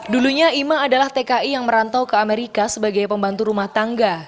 dulunya ima adalah tki yang merantau ke amerika sebagai pembantu rumah tangga